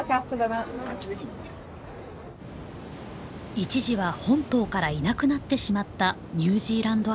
一時は本島からいなくなってしまったニュージーランドアシカ。